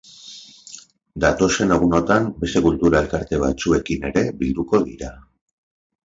Datozen egunotan beste kultura elkarte batzuekin ere bilduko dira.